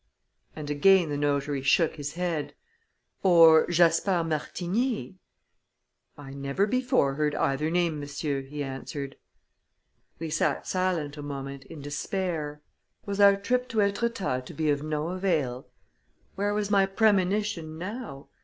And again the notary shook his head. "Or Jasper Martigny?" "I never before heard either name, monsieur," he answered. We sat silent a moment, in despair. Was our trip to Etretat to be of no avail? Where was my premonition, now?